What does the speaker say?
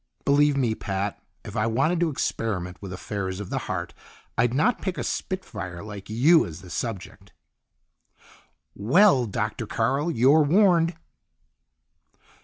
"Believe me, Pat, if I wanted to experiment with affairs of the heart, I'd not pick a spit fire like you as the subject." "Well, Doctor Carl, you're warned!"